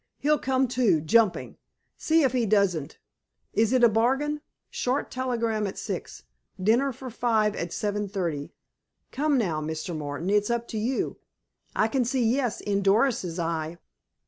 He'll come, too—jumping. See if he doesn't. Is it a bargain? Short telegram at six. Dinner for five at 7.30. Come, now, Mr. Martin. It's up to you. I can see 'Yes' in Doris's eye.